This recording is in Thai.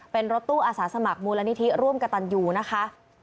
เป็นรถตู้อาสาสมัครมูลนิธิร่วมกระตันยูนะคะ